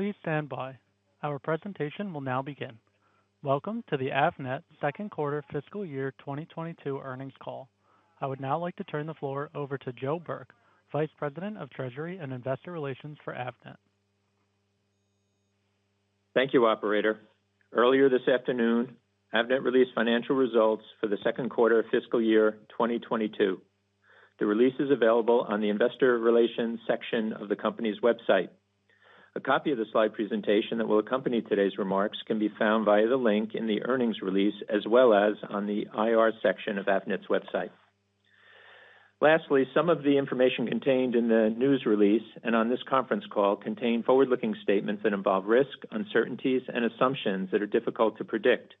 Please stand by. Our presentation will now begin. Welcome to the Avnet Second Quarter Fiscal Year 2022 Earnings Call. I would now like to turn the floor over to Joe Burke, Vice President of Treasury and Investor Relations for Avnet. Thank you, operator. Earlier this afternoon, Avnet released financial results for the second quarter of fiscal year 2022. The release is available on the investor relations section of the company's website. A copy of the slide presentation that will accompany today's remarks can be found via the link in the earnings release as well as on the IR section of Avnet's website. Lastly, some of the information contained in the news release and on this conference call contain forward-looking statements that involve risks, uncertainties, and assumptions that are difficult to predict.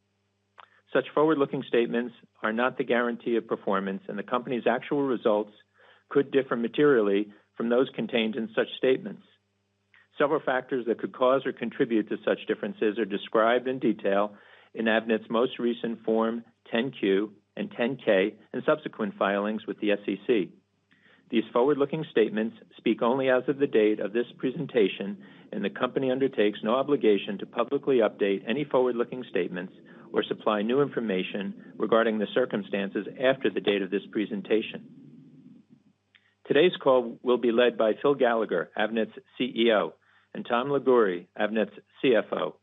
Such forward-looking statements are not the guarantee of performance, and the company's actual results could differ materially from those contained in such statements. Several factors that could cause or contribute to such differences are described in detail in Avnet's most recent Form 10-Q and 10-K and subsequent filings with the SEC. These forward-looking statements speak only as of the date of this presentation, and the company undertakes no obligation to publicly update any forward-looking statements or supply new information regarding the circumstances after the date of this presentation. Today's call will be led by Phil Gallagher, Avnet's CEO, and Tom Liguori, Avnet's CFO.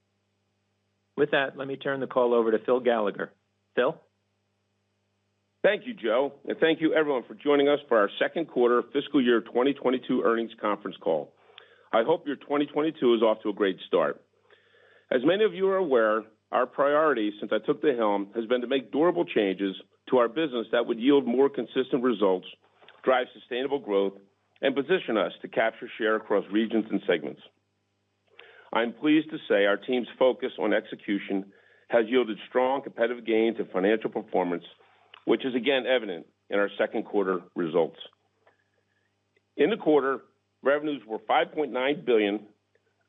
With that, let me turn the call over to Phil Gallagher. Phil? Thank you, Joe, and thank you everyone for joining us for our second quarter fiscal year 2022 earnings conference call. I hope your 2022 is off to a great start. As many of you are aware, our priority since I took the helm has been to make durable changes to our business that would yield more consistent results, drive sustainable growth, and position us to capture share across regions and segments. I'm pleased to say our team's focus on execution has yielded strong competitive gains in financial performance, which is again evident in our second quarter results. In the quarter, revenues were $5.9 billion,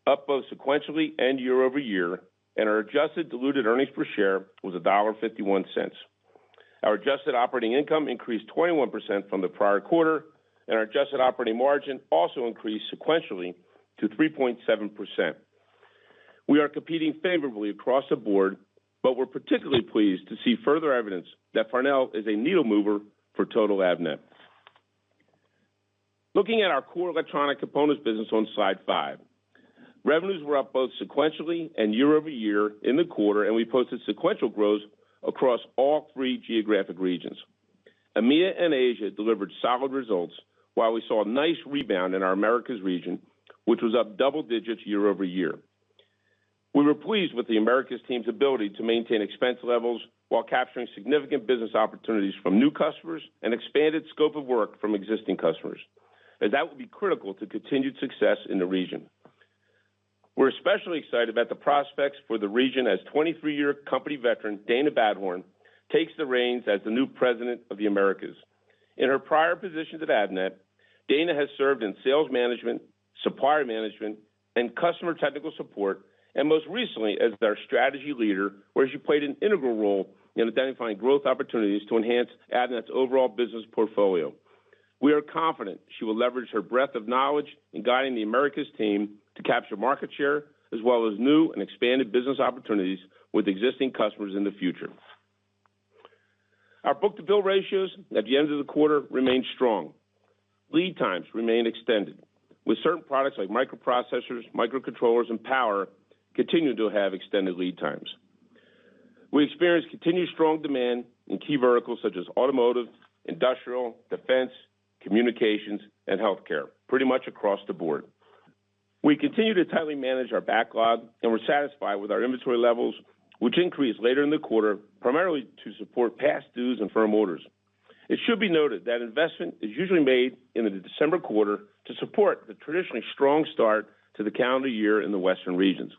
up both sequentially and year-over-year, and our adjusted diluted earnings per share was $1.51. Our adjusted operating income increased 21% from the prior quarter, and our adjusted operating margin also increased sequentially to 3.7%. We are competing favorably across the board, but we're particularly pleased to see further evidence that Farnell is a needle mover for total Avnet. Looking at our core Electronic Components business on slide 5, revenues were up both sequentially and year-over-year in the quarter, and we posted sequential growth across all three geographic regions. EMEA and Asia delivered solid results, while we saw a nice rebound in our Americas region, which was up double digits year-over-year. We were pleased with the Americas team's ability to maintain expense levels while capturing significant business opportunities from new customers and expanded scope of work from existing customers, as that will be critical to continued success in the region. We're especially excited about the prospects for the region as 23-year company veteran Dayna Badhorn takes the reins as the new President of the Americas. In her prior positions at Avnet, Dayna has served in sales management, supply management, and customer technical support, and most recently as our strategy leader, where she played an integral role in identifying growth opportunities to enhance Avnet's overall business portfolio. We are confident she will leverage her breadth of knowledge in guiding the Americas team to capture market share as well as new and expanded business opportunities with existing customers in the future. Our book-to-bill ratios at the end of the quarter remained strong. Lead times remain extended, with certain products like microprocessors, microcontrollers, and power continuing to have extended lead times. We experienced continued strong demand in key verticals such as automotive, industrial, defense, communications, and healthcare pretty much across the board. We continue to tightly manage our backlog, and we're satisfied with our inventory levels, which increased later in the quarter, primarily to support past dues and firm orders. It should be noted that investment is usually made in the December quarter to support the traditionally strong start to the calendar year in the Western regions.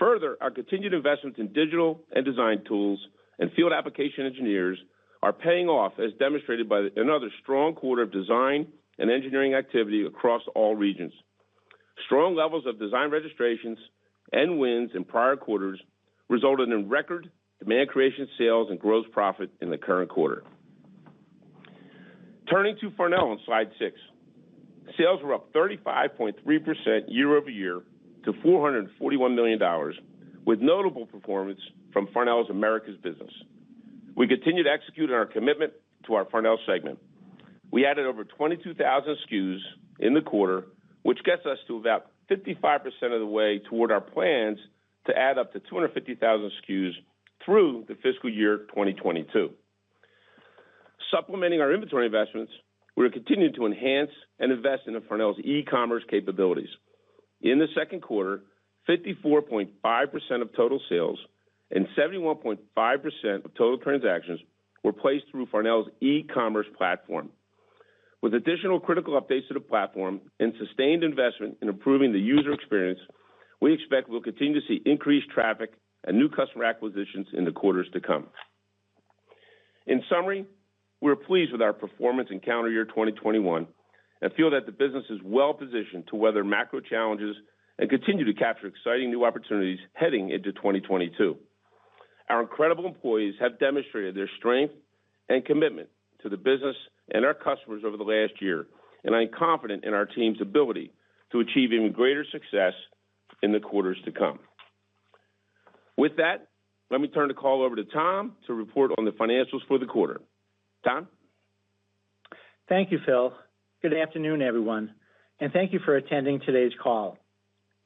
Further, our continued investments in digital and design tools and field application engineers are paying off as demonstrated by another strong quarter of design and engineering activity across all regions. Strong levels of design registrations and wins in prior quarters resulted in record demand creation sales and gross profit in the current quarter. Turning to Farnell on slide 6. Sales were up 35.3% year-over-year to $441 million, with notable performance from Farnell's Americas business. We continue to execute on our commitment to our Farnell segment. We added over 22,000 SKUs in the quarter, which gets us to about 55% of the way toward our plans to add up to 250,000 SKUs through the fiscal year 2022. Supplementing our inventory investments, we are continuing to enhance and invest in Farnell's e-commerce capabilities. In the second quarter, 54.5% of total sales and 71.5% of total transactions were placed through Farnell's e-commerce platform. With additional critical updates to the platform and sustained investment in improving the user experience, we expect we'll continue to see increased traffic and new customer acquisitions in the quarters to come. In summary, we're pleased with our performance in calendar year 2021 and feel that the business is well-positioned to weather macro challenges and continue to capture exciting new opportunities heading into 2022. Our incredible employees have demonstrated their strength and commitment to the business and our customers over the last year, and I'm confident in our team's ability to achieve even greater success in the quarters to come. With that, let me turn the call over to Tom to report on the financials for the quarter. Tom? Thank you, Phil. Good afternoon, everyone, and thank you for attending today's call.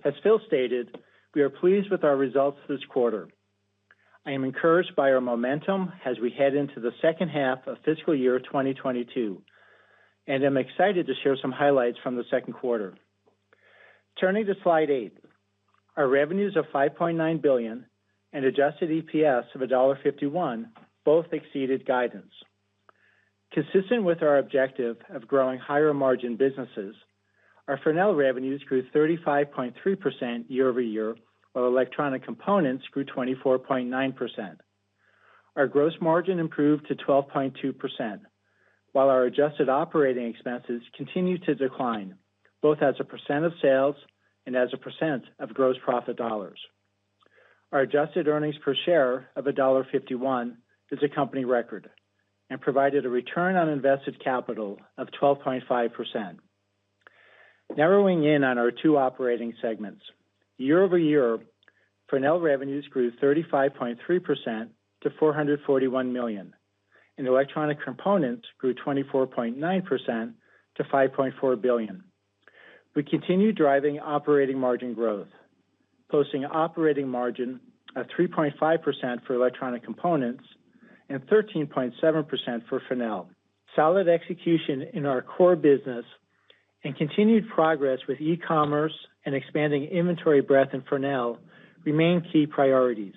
As Phil stated, we are pleased with our results this quarter. I am encouraged by our momentum as we head into the second half of fiscal year 2022, and I'm excited to share some highlights from the second quarter. Turning to slide eight. Our revenues of $5.9 billion and adjusted EPS of $1.51 both exceeded guidance. Consistent with our objective of growing higher margin businesses, our Farnell revenues grew 35.3% year-over-year, while Electronic Components grew 24.9%. Our gross margin improved to 12.2%, while our adjusted operating expenses continued to decline, both as a percent of sales and as a percent of gross profit dollars. Our adjusted earnings per share of $1.51 is a company record and provided a ROIC of 12.5%. Narrowing in on our two operating segments. Year-over-year, Farnell revenues grew 35.3% to $441 million, and Electronic Components grew 24.9% to $5.4 billion. We continue driving operating margin growth, posting operating margin of 3.5% for Electronic Components and 13.7% for Farnell. Solid execution in our core business and continued progress with e-commerce and expanding inventory breadth in Farnell remain key priorities,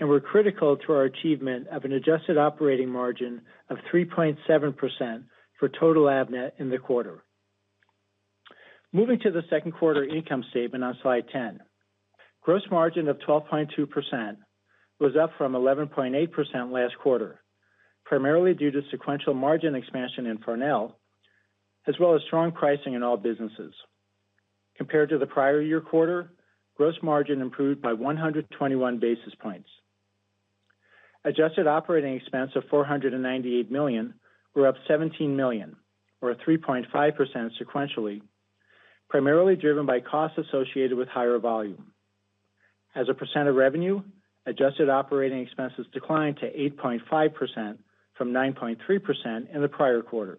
and were critical to our achievement of an adjusted operating margin of 3.7% for total Avnet in the quarter. Moving to the second quarter income statement on slide 10. Gross margin of 12.2% was up from 11.8% last quarter, primarily due to sequential margin expansion in Farnell, as well as strong pricing in all businesses. Compared to the prior year quarter, gross margin improved by 121 basis points. Adjusted operating expense of $498 million were up $17 million or 3.5% sequentially, primarily driven by costs associated with higher volume. As a percent of revenue, adjusted operating expenses declined to 8.5% from 9.3% in the prior quarter.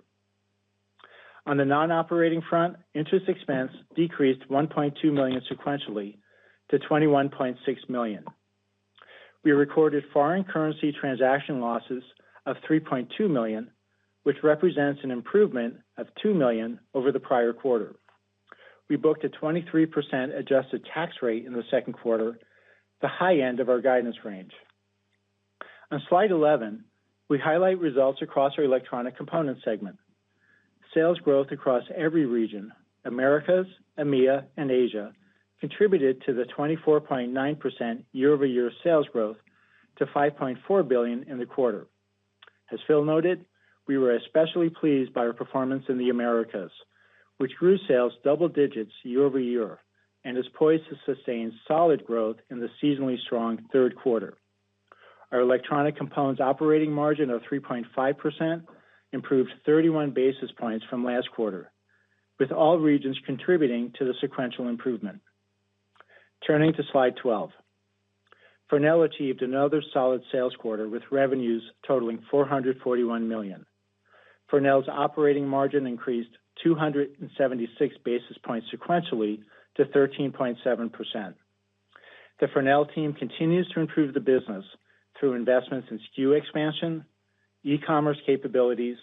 On the non-operating front, interest expense decreased $1.2 million sequentially to $21.6 million. We recorded foreign currency transaction losses of $3.2 million, which represents an improvement of $2 million over the prior quarter. We booked a 23% adjusted tax rate in the second quarter, the high end of our guidance range. On slide 11, we highlight results across our Electronic Components segment. Sales growth across every region, Americas, EMEA, and Asia, contributed to the 24.9% year-over-year sales growth to $5.4 billion in the quarter. As Phil noted, we were especially pleased by our performance in the Americas, which grew sales double digits year-over-year and is poised to sustain solid growth in the seasonally strong third quarter. Our Electronic Components operating margin of 3.5% improved 31 basis points from last quarter, with all regions contributing to the sequential improvement. Turning to slide 12. Farnell achieved another solid sales quarter with revenues totaling $441 million. Farnell's operating margin increased 276 basis points sequentially to 13.7%. The Farnell team continues to improve the business through investments in SKU expansion, e-commerce capabilities,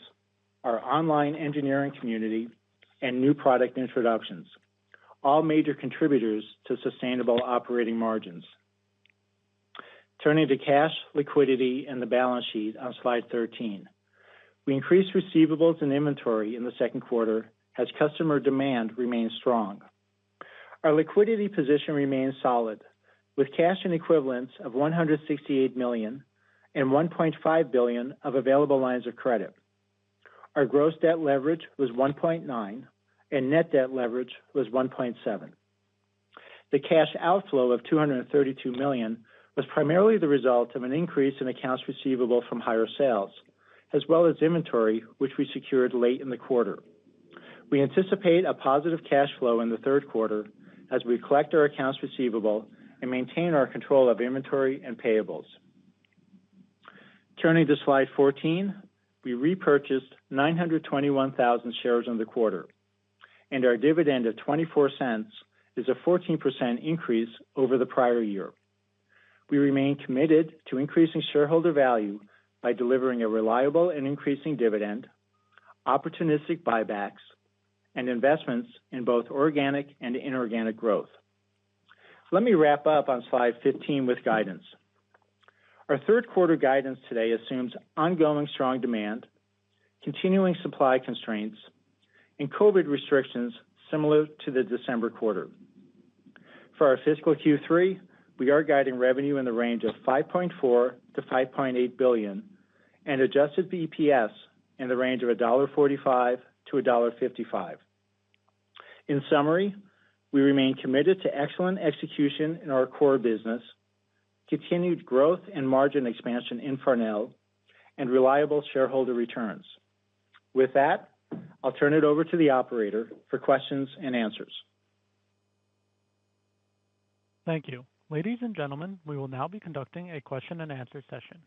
our online engineering community, and new product introductions, all major contributors to sustainable operating margins. Turning to cash liquidity and the balance sheet on slide 13. We increased receivables and inventory in the second quarter as customer demand remains strong. Our liquidity position remains solid with cash and equivalents of $168 million and $1.5 billion of available lines of credit. Our gross debt leverage was 1.9, and net debt leverage was 1.7. The cash outflow of $232 million was primarily the result of an increase in accounts receivable from higher sales, as well as inventory, which we secured late in the quarter. We anticipate a positive cash flow in the third quarter as we collect our accounts receivable and maintain our control of inventory and payables. Turning to slide 14. We repurchased 921,000 shares in the quarter, and our dividend of $0.24 is a 14% increase over the prior year. We remain committed to increasing shareholder value by delivering a reliable and increasing dividend, opportunistic buybacks, and investments in both organic and inorganic growth. Let me wrap up on slide 15 with guidance. Our third quarter guidance today assumes ongoing strong demand, continuing supply constraints, and COVID restrictions similar to the December quarter. For our fiscal Q3, we are guiding revenue in the range of $5.4 billion-$5.8 billion and adjusted EPS in the range of $1.45-$1.55. In summary, we remain committed to excellent execution in our core business, continued growth and margin expansion in Farnell, and reliable shareholder returns. With that, I'll turn it over to the operator for questions and answers. Thank you. Ladies and gentlemen, we will now be conducting a question and answer session.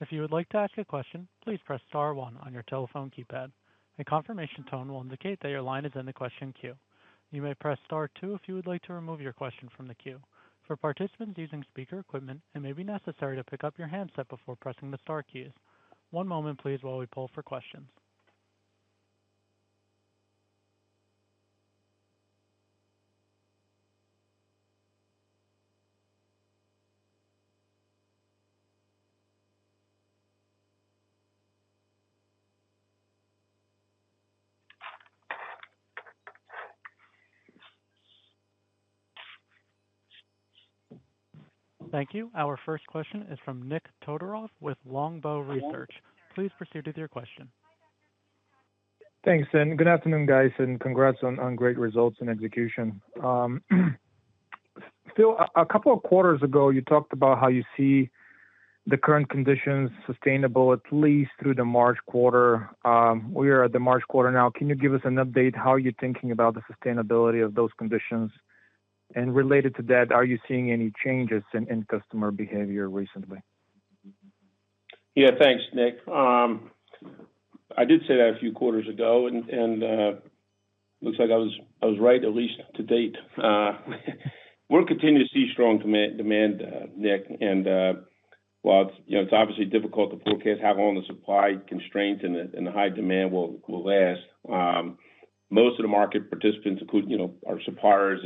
If you would like to ask a question, please press star one on your telephone keypad. A confirmation tone will indicate that your line is in the question queue. You may press star two if you would like to remove your question from the queue. For participants using speaker equipment, it may be necessary to pick up your handset before pressing the star keys. One moment please while we poll for questions. Thank you. Our first question is from Nik Todorov with Longbow Research. Please proceed with your question. Thanks, and good afternoon, guys, and congrats on great results and execution. Phil, a couple of quarters ago, you talked about how you see the current conditions sustainable at least through the March quarter. We are at the March quarter now. Can you give us an update how you're thinking about the sustainability of those conditions? Related to that, are you seeing any changes in customer behavior recently? Yeah, thanks, Nik. I did say that a few quarters ago, and looks like I was right, at least to date. We'll continue to see strong demand, Nik. While it's, you know, it's obviously difficult to forecast how long the supply constraints and the high demand will last, most of the market participants, including, you know, our suppliers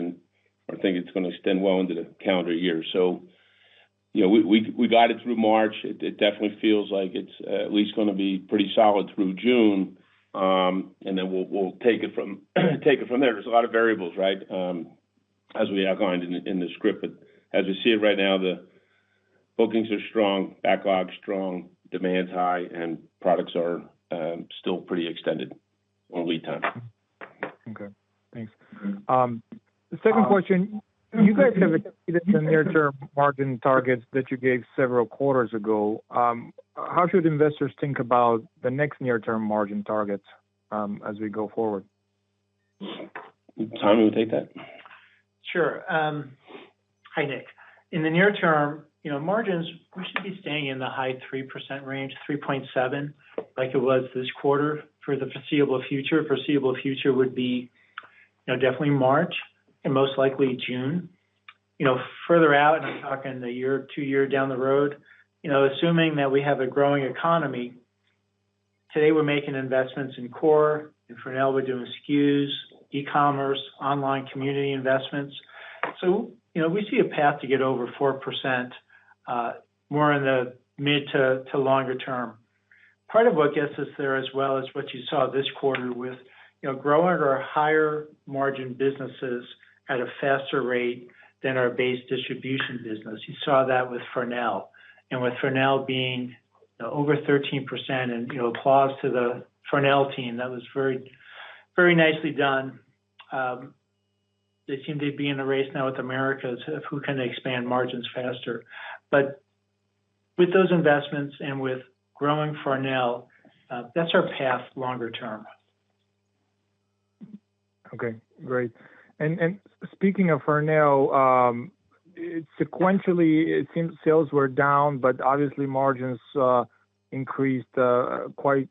and are thinking it's gonna extend well into the calendar year. You know, we got it through March. It definitely feels like it's at least gonna be pretty solid through June, and then we'll take it from there. There's a lot of variables, right, as we outlined in the script. As you see it right now, the bookings are strong, backlog's strong, demand's high, and products are still pretty extended on lead time. Okay. Thanks. The second question: You guys have exceeded the near-term margin targets that you gave several quarters ago. How should investors think about the next near-term margin targets, as we go forward? Tom, do you wanna take that? Sure. Hi, Nik. In the near term, you know, margins, we should be staying in the high 3% range, 3.7%, like it was this quarter, for the foreseeable future. Foreseeable future would be, you know, definitely March and most likely June. You know, further out, and I'm talking a year or two years down the road, you know, assuming that we have a growing economy, today we're making investments in core. In Farnell, we're doing SKUs, e-commerce, online community investments. You know, we see a path to get over 4%, more in the mid- to longer term. Part of what gets us there as well is what you saw this quarter with, you know, growing our higher margin businesses at a faster rate than our base distribution business. You saw that with Farnell. With Farnell being over 13% and, you know, applause to the Farnell team, that was very, very nicely done. They seem to be in a race now with Americas of who can expand margins faster. With those investments and with growing Farnell, that's our path longer term. Okay. Great. Speaking of Farnell, sequentially it seems sales were down, but obviously margins increased quite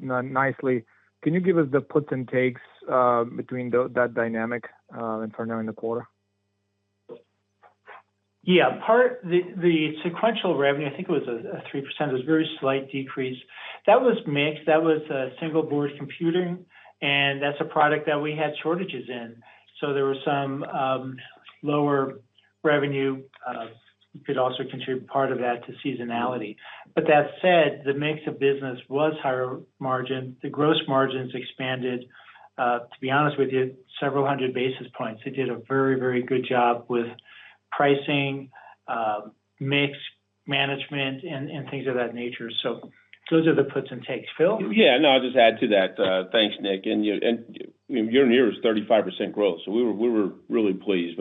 nicely. Can you give us the puts and takes between that dynamic in Farnell in the quarter? The sequential revenue, I think it was a 3%. It was a very slight decrease. That was mix. That was single board computing, and that's a product that we had shortages in. So there was some lower revenue. You could also contribute part of that to seasonality. That said, the mix of business was higher margin. The gross margins expanded, to be honest with you, several hundred basis points. They did a very good job with pricing, mix management, and things of that nature. Those are the puts and takes. Phil? Yeah. No, I'll just add to that. Thanks, Nik. Year-on-year was 35% growth, so we were really pleased.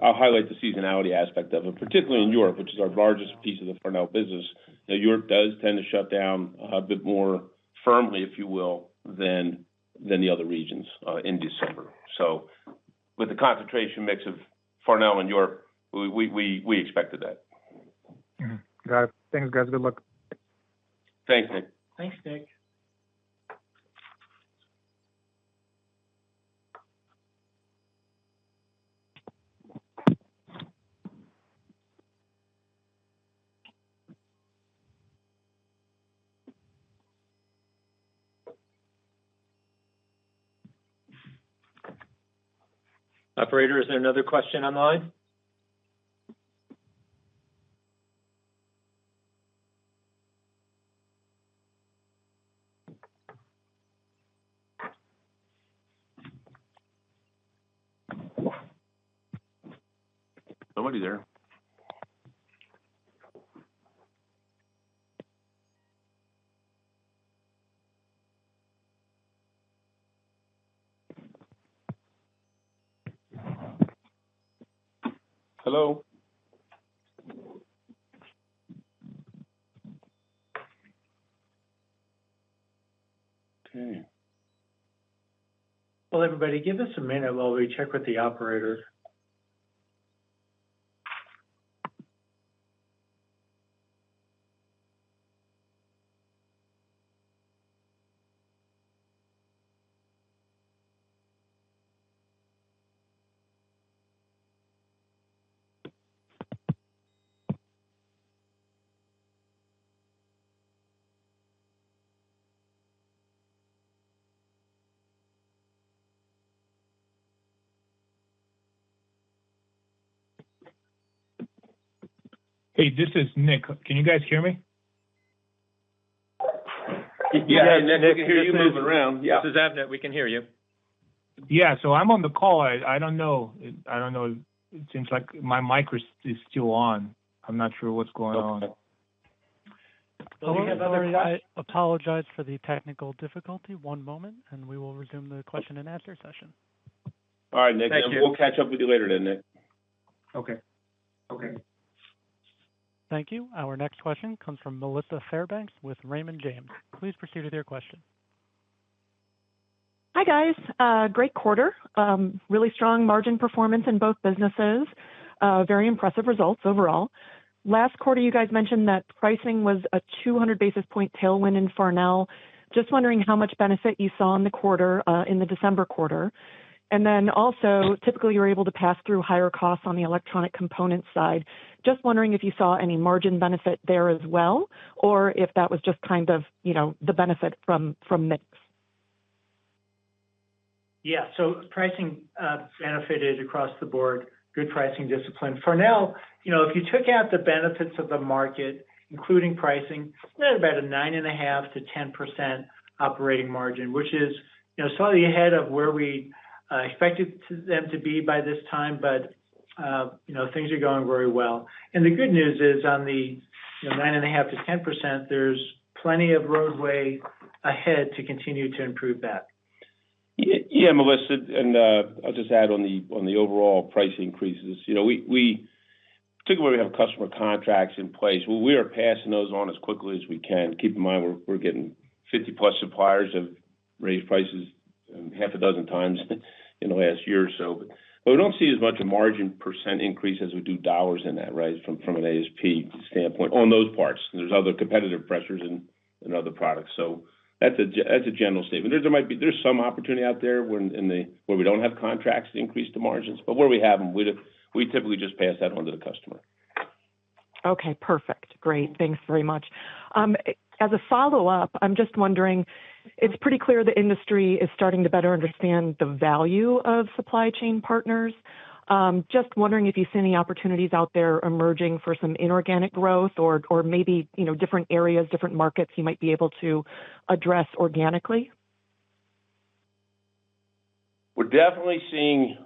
I'll highlight the seasonality aspect of it, particularly in Europe, which is our largest piece of the Farnell business. You know, Europe does tend to shut down a bit more firmly, if you will, than the other regions in December. With the concentration mix of Farnell and Europe, we expected that. Mm-hmm. Got it. Thanks, guys. Good luck. Thanks, Nik. Thanks, Nik. Operator, is there another question on the line? Nobody there. Hello? Okay. Well, everybody, give us a minute while we check with the operator. Hey, this is Nik. Can you guys hear me? Yeah. Nik, we can hear you. This is Avnet. We can hear you. Yeah. I'm on the call. I don't know. It seems like my mic is still on. I'm not sure what's going on. Can you guys hear me now? I apologize for the technical difficulty. One moment, and we will resume the question and answer session. All right, Nik. Thank you. We'll catch up with you later then, Nik. Okay. Okay. Thank you. Our next question comes from Melissa Fairbanks with Raymond James. Please proceed with your question. Hi, guys. Great quarter. Really strong margin performance in both businesses. Very impressive results overall. Last quarter, you guys mentioned that pricing was a 200 basis point tailwind in Farnell. Just wondering how much benefit you saw in the quarter, in the December quarter. Typically, you're able to pass through higher costs on the Electronic Components side. Just wondering if you saw any margin benefit there as well, or if that was just kind of the benefit from mix. Yeah. Pricing benefited across the board. Good pricing discipline. For now, you know, if you took out the benefits of the market, including pricing, about a 9.5%-10% operating margin, which is, you know, slightly ahead of where we expected them to be by this time. You know, things are going very well. The good news is on the, you know, 9.5%-10%, there's plenty of runway ahead to continue to improve that. Yeah, Melissa. I'll just add on the overall price increases. You know, we typically have customer contracts in place. Well, we are passing those on as quickly as we can. Keep in mind, we're getting 50+ suppliers have raised prices 6 times in the last year or so. We don't see as much margin in percent increase as we do dollars in that, right? From an ASP standpoint on those parts. There's other competitive pressures in other products. That's a general statement. There might be. There's some opportunity out there where we don't have contracts increase the margins. Where we have them, we typically just pass that on to the customer. Okay, perfect. Great. Thanks very much. As a follow-up, I'm just wondering, it's pretty clear the industry is starting to better understand the value of supply chain partners. Just wondering if you see any opportunities out there emerging for some inorganic growth or maybe, you know, different areas, different markets you might be able to address organically? We're definitely seeing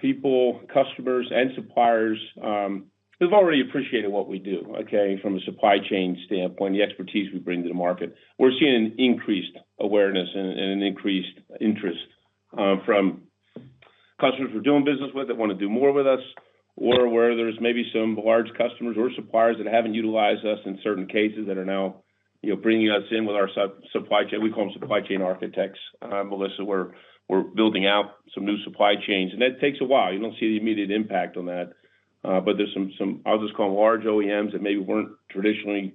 people, customers and suppliers who've already appreciated what we do, okay? From a supply chain standpoint, the expertise we bring to the market. We're seeing an increased awareness and an increased interest from customers we're doing business with that wanna do more with us or where there's maybe some large customers or suppliers that haven't utilized us in certain cases that are now, you know, bringing us in with our supply chain. We call them supply chain architects, Melissa. We're building out some new supply chains, and that takes a while. You don't see the immediate impact on that, but there's some I'll just call large OEMs that maybe weren't traditionally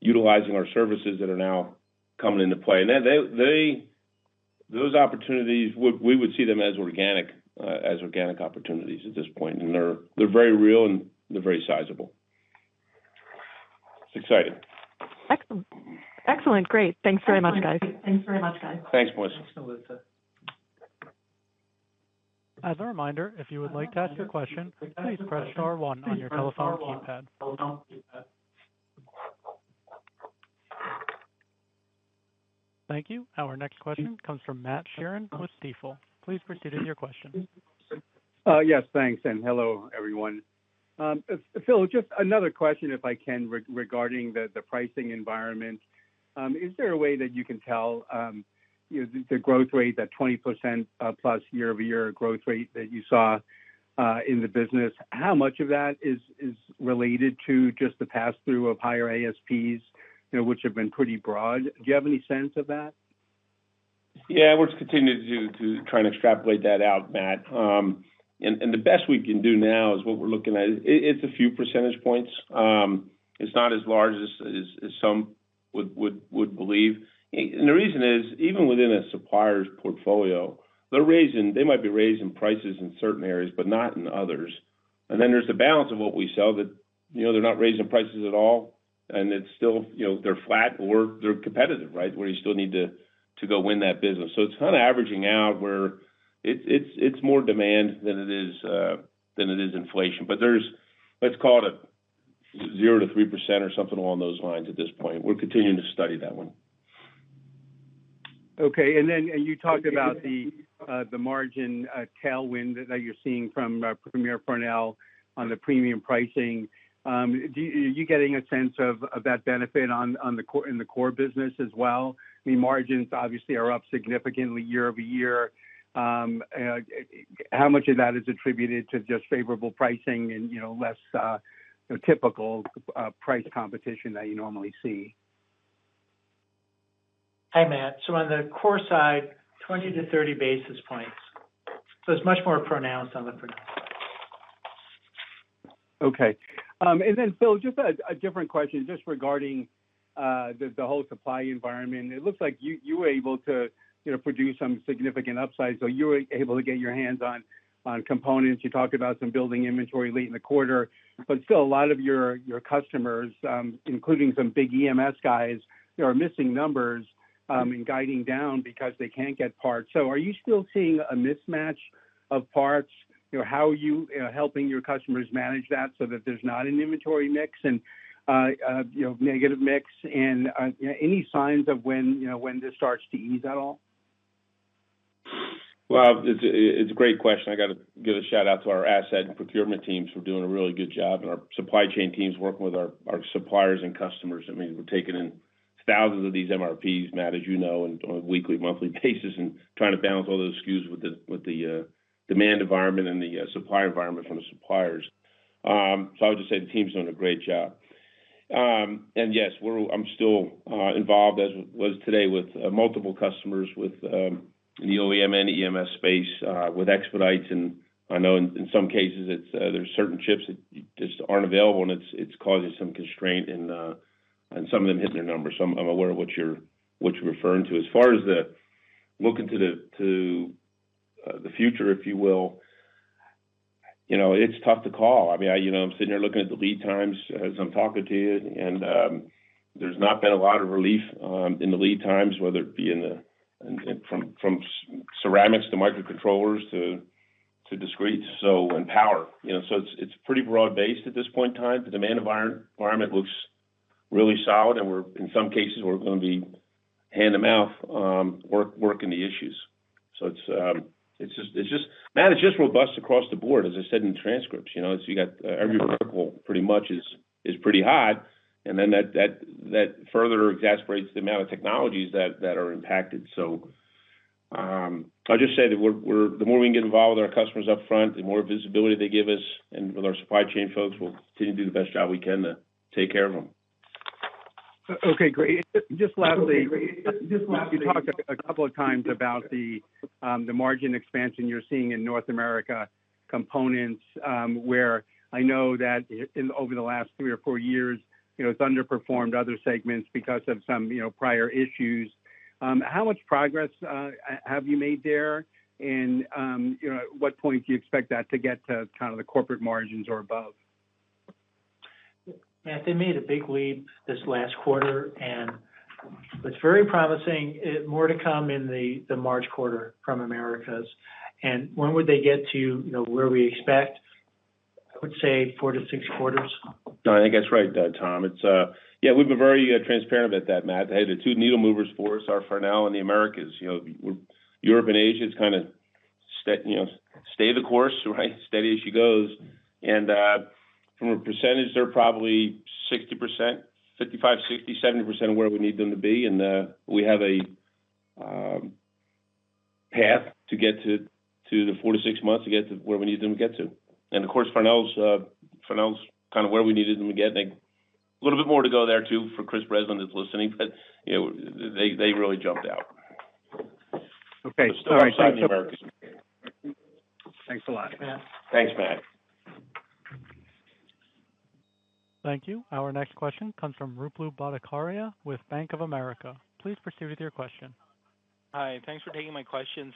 utilizing our services that are now coming into play. They, those opportunities, we would see them as organic opportunities at this point. They're very real, and they're very sizable. It's exciting. Excellent. Great. Thanks very much, guys. Thanks, Melissa. As a reminder, if you would like to ask a question, please press star one on your telephone keypad. Thank you. Our next question comes from Matt Sheerin with Stifel. Please proceed with your question. Yes, thanks, and hello, everyone. Phil, just another question, if I can, regarding the pricing environment. Is there a way that you can tell, you know, the growth rate, that 20% plus year-over-year growth rate that you saw in the business? How much of that is related to just the pass-through of higher ASPs, you know, which have been pretty broad? Do you have any sense of that? Yeah. We're continuing to try and extrapolate that out, Matt. The best we can do now is what we're looking at. It's a few percentage points. It's not as large as some would believe. The reason is, even within a supplier's portfolio, they might be raising prices in certain areas but not in others. Then there's the balance of what we sell that, you know, they're not raising prices at all, and it's still, you know, they're flat or they're competitive, right? Where you still need to go win that business. It's kind of averaging out where it's more demand than it is inflation. There's, let's call it 0%-3% or something along those lines at this point. We're continuing to study that one. Okay. You talked about the margin tailwind that you're seeing from Premier Farnell on the premium pricing. Are you getting a sense of that benefit in the core business as well? I mean, margins obviously are up significantly year-over-year. How much of that is attributed to just favorable pricing and, you know, less typical price competition that you normally see? Hi, Matt. On the core side, 20-30 basis points. It's much more pronounced on the front end. Okay. Phil, just a different question just regarding the whole supply environment. It looks like you were able to, you know, produce some significant upside, so you were able to get your hands on components. You talked about some building inventory late in the quarter. Still a lot of your customers, including some big EMS guys, they are missing numbers and guiding down because they can't get parts. Are you still seeing a mismatch of parts? You know, how are you know, helping your customers manage that so that there's not an inventory mix and, you know, negative mix? Any signs of when, you know, when this starts to ease at all? Well, it's a great question. I got to give a shout-out to our asset and procurement teams for doing a really good job and our supply chain teams working with our suppliers and customers. I mean, we're taking in thousands of these MRPs, Matt, as you know, on a weekly, monthly basis, and trying to balance all those SKUs with the demand environment and the supply environment from the suppliers. I would just say the team's doing a great job. Yes, I'm still involved, as was today, with multiple customers with the OEM and EMS space with expedites. I know in some cases it's, there's certain chips that just aren't available and it's causing some constraint and some of them hitting their numbers. I'm aware of what you're referring to. As far as the look into the future, if you will, you know, it's tough to call. I mean, you know, I'm sitting here looking at the lead times as I'm talking to you and there's not been a lot of relief in the lead times, whether it be from ceramics to microcontrollers to discrete and power. You know, it's pretty broad-based at this point in time. The demand environment looks really solid and in some cases, we're gonna be hand-to-mouth, working the issues. It's just Matt, it's just robust across the board, as I said in the transcripts. You know, so you got every vertical pretty much is pretty hot, and then that further exacerbates the amount of technologies that are impacted. I'll just say that the more we can get involved with our customers up front, the more visibility they give us, and with our supply chain folks, we'll continue to do the best job we can to take care of them. Okay, great. Just lastly, you talked a couple of times about the margin expansion you're seeing in North America components, where I know that over the last three or four years, you know, it's underperformed other segments because of some, you know, prior issues. How much progress have you made there? You know, at what point do you expect that to get to kind of the corporate margins or above? Matt, they made a big leap this last quarter, and it's very promising. More to come in the March quarter from Americas. When would they get to, you know, where we expect? I would say four to six quarters. No, I think that's right, Tom. It's, yeah, we've been very transparent at that, Matt. The two needle movers for us are Farnell and the Americas. You know, Europe and Asia is kind of, you know, stay the course, right? Steady as she goes. From a percentage, they're probably 60%, 55%, 60%, 70% of where we need them to be. We have a path to get to the four to six months to get to where we need them to get to. Of course, Farnell's kind of where we needed them to get. A little bit more to go there too for Chris Breslin that's listening, but, you know, they really jumped out. Okay. All right. Thanks a lot. Thanks, Matt. Thank you. Our next question comes from Ruplu Bhattacharya with Bank of America. Please proceed with your question. Hi, thanks for taking my questions.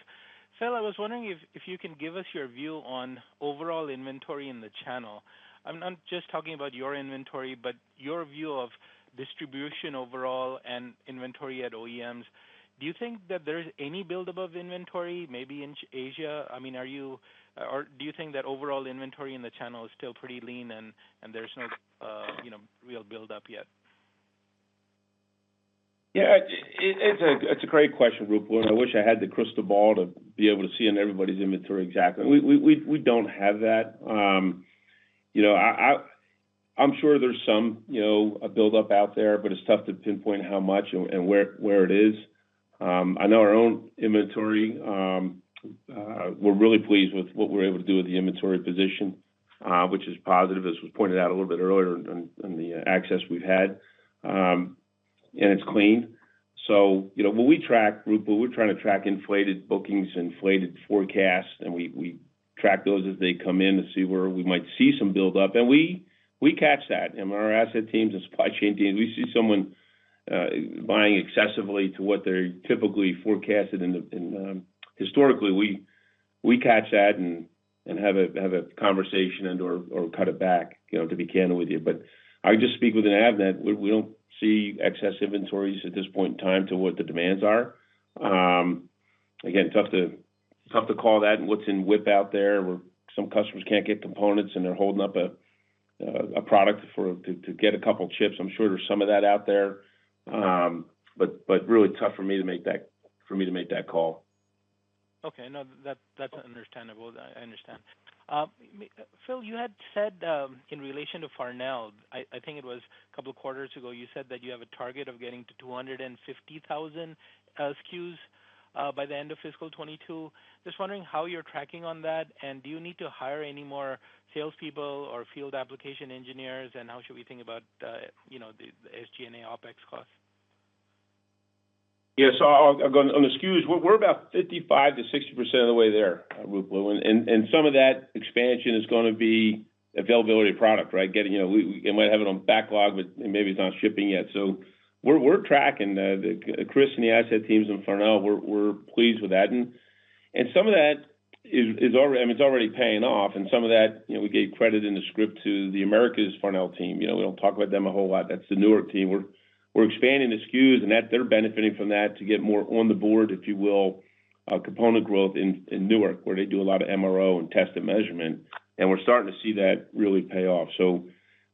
Phil, I was wondering if you can give us your view on overall inventory in the channel. I'm not just talking about your inventory, but your view of distribution overall and inventory at OEMs. Do you think that there is any build above inventory maybe in Asia? I mean, or do you think that overall inventory in the channel is still pretty lean and there's no real buildup yet? Yeah, it's a great question, Ruplu. I wish I had the crystal ball to be able to see in everybody's inventory exactly. We don't have that. You know, I'm sure there's some, you know, a buildup out there, but it's tough to pinpoint how much and where it is. I know our own inventory, we're really pleased with what we're able to do with the inventory position, which is positive, as was pointed out a little bit earlier in the access we've had, and it's clean. You know, when we track, Ruplu, we're trying to track inflated bookings, inflated forecasts, and we track those as they come in to see where we might see some buildup. We catch that. Our asset teams and supply chain teams, we see someone buying excessively to what they're typically forecasted. Historically, we catch that and have a conversation and/or cut it back, you know, to be candid with you. I just speak with Avnet, we don't see excess inventories at this point in time to what the demands are. Again, tough to call that and what's in WIP out there where some customers can't get components and they're holding up a product to get a couple chips. I'm sure there's some of that out there. Really tough for me to make that call. Okay. No, that's understandable. I understand. Phil, you had said in relation to Farnell, I think it was a couple of quarters ago, you said that you have a target of getting to 250,000 SKUs by the end of fiscal 2022. Just wondering how you're tracking on that, and do you need to hire any more salespeople or field application engineers, and how should we think about the SG&A OpEx cost? Yeah. I'll go on the SKUs. We're about 55%-60% of the way there, Ruplu. Some of that expansion is gonna be availability of product, right? Getting, you know, we might have it on backlog, but maybe it's not shipping yet. We're tracking that. The Chris and the asset teams in Farnell, we're pleased with that. Some of that is already. I mean, it's already paying off. Some of that, you know, we gave credit in the script to the Americas Farnell team. You know, we don't talk about them a whole lot. That's the Newark team. We're expanding the SKUs, and that they're benefiting from that to get more on the board, if you will, component growth in Newark, where they do a lot of MRO and test and measurement. We're starting to see that really pay off.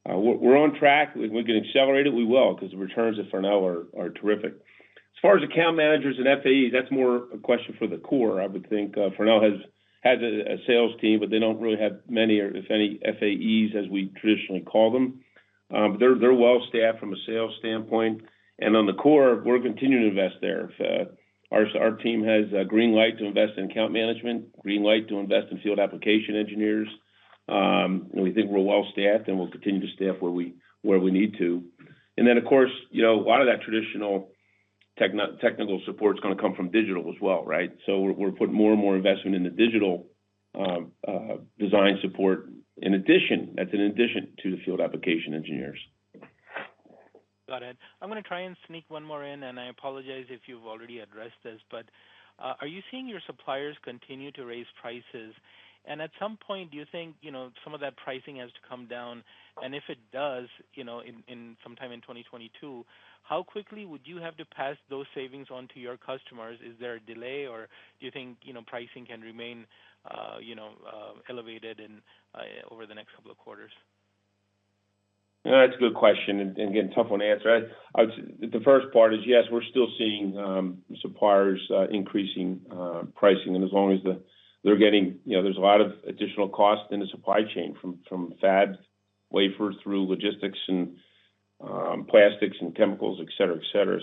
We're on track. We can accelerate it, we will, 'cause the returns at Farnell are terrific. As far as account managers and FAEs, that's more a question for the core, I would think. Farnell has a sales team, but they don't really have many or if any FAEs, as we traditionally call them. They're well staffed from a sales standpoint. On the core, we're continuing to invest there. Our team has a green light to invest in account management, green light to invest in field application engineers. We think we're well staffed, and we'll continue to staff where we need to. Of course, you know, a lot of that traditional technical support is gonna come from digital as well, right? We're putting more and more investment in the digital design support in addition to the field application engineers. Got it. I'm gonna try and sneak one more in, and I apologize if you've already addressed this. Are you seeing your suppliers continue to raise prices? At some point, do you think, you know, some of that pricing has to come down? If it does, you know, sometime in 2022, how quickly would you have to pass those savings on to your customers? Is there a delay, or do you think, you know, pricing can remain, you know, elevated over the next couple of quarters? That's a good question, and again, tough one to answer. The first part is, yes, we're still seeing suppliers increasing pricing. As long as they're getting, you know, there's a lot of additional cost in the supply chain, from fab wafer through logistics and plastics and chemicals, et cetera.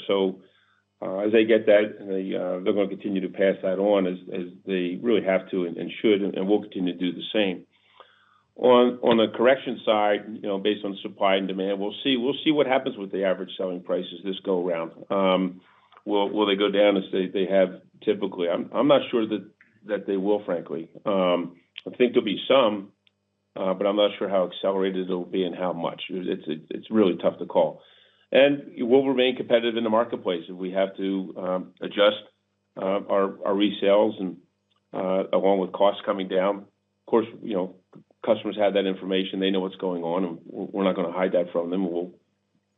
As they get that, they're gonna continue to pass that on as they really have to and should, and we'll continue to do the same. On the correction side, you know, based on supply and demand, we'll see what happens with the average selling prices this go around. Will they go down as they have typically? I'm not sure that they will, frankly. I think there'll be some, but I'm not sure how accelerated it'll be and how much. It's really tough to call. We'll remain competitive in the marketplace if we have to adjust our resales and along with costs coming down. Of course, you know, customers have that information. They know what's going on, and we're not gonna hide that from them.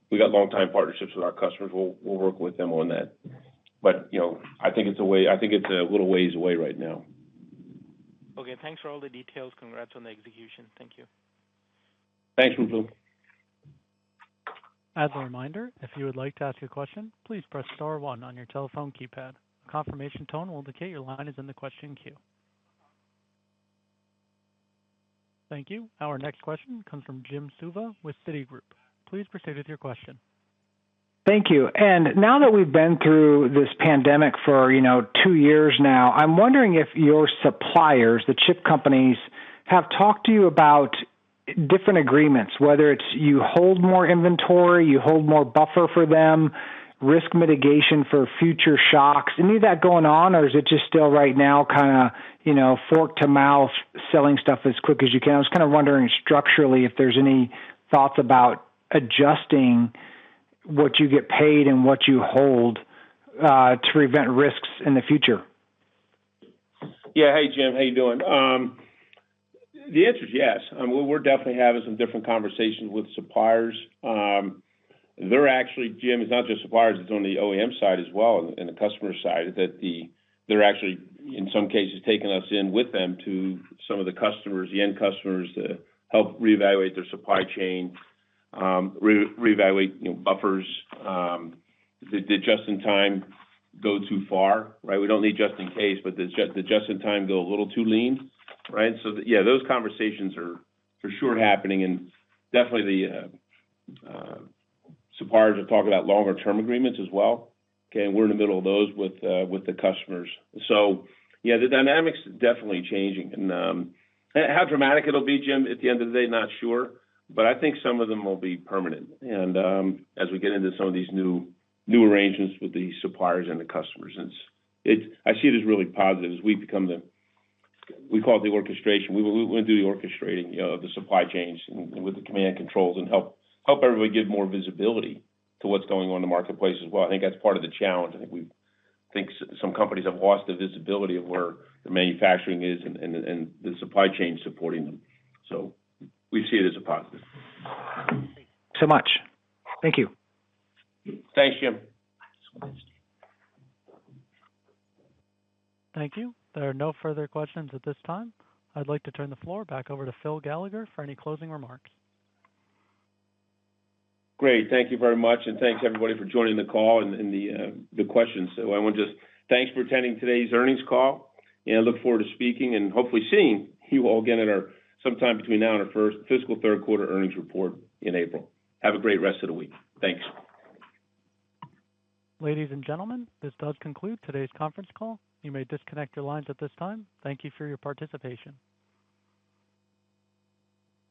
We got longtime partnerships with our customers. We'll work with them on that. You know, I think it's a little ways away right now. Okay. Thanks for all the details. Congrats on the execution. Thank you. Thanks, Ruplu. As a reminder, if you would like to ask a question, please press star one on your telephone keypad. A confirmation tone will indicate your line is in the question queue. Thank you. Our next question comes from Jim Suva with Citigroup. Please proceed with your question. Thank you. Now that we've been through this pandemic for, you know, two years now, I'm wondering if your suppliers, the chip companies, have talked to you about different agreements, whether it's you hold more inventory, you hold more buffer for them, risk mitigation for future shocks. Any of that going on, or is it just still right now kinda, you know, hand to mouth, selling stuff as quick as you can? I was kinda wondering structurally if there's any thoughts about adjusting what you get paid and what you hold, to prevent risks in the future. Yeah. Hey, Jim. How you doing? The answer is yes. We're definitely having some different conversations with suppliers. Jim, it's not just suppliers, it's on the OEM side as well and the customer side, they're actually, in some cases, taking us in with them to some of the customers, the end customers to help reevaluate their supply chain, you know, buffers. Did just-in-time go too far, right? We don't need just-in-case, but does just-in-time go a little too lean, right? Yeah, those conversations are for sure happening. Definitely the suppliers are talking about longer term agreements as well, okay? We're in the middle of those with the customers. Yeah, the dynamic's definitely changing. How dramatic it'll be, Jim, at the end of the day, not sure, but I think some of them will be permanent. As we get into some of these new arrangements with the suppliers and the customers, it's really positive as we become the, we call it, the orchestration. We do the orchestrating of the supply chains and with the command and control and help everybody give more visibility to what's going on in the marketplace as well. I think that's part of the challenge. I think some companies have lost the visibility of where the manufacturing is and the supply chain supporting them. We see it as a positive. Thanks so much. Thank you. Thanks, Jim. Thank you. There are no further questions at this time. I'd like to turn the floor back over to Phil Gallagher for any closing remarks. Great. Thank you very much, and thanks everybody for joining the call and the questions. I just want to thank for attending today's earnings call, and I look forward to speaking and hopefully seeing you all again, sometime between now and our first fiscal third quarter earnings report in April. Have a great rest of the week. Thanks. Ladies and gentlemen, this does conclude today's conference call. You may disconnect your lines at this time. Thank you for your participation.